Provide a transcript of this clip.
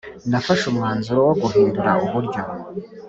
nafashe umwanzuro wo guhindura uburyo